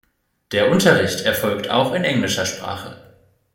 Der Unterricht erfolgt auch in englischer Sprache.